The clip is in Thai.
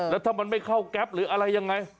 แล้วถ้ามันไม่เข้าแก๊ปหรืออะไรยังไง